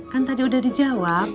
kan tadi udah dijawab